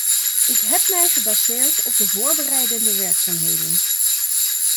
Ik heb mij gebaseerd op de voorbereidende werkzaamheden.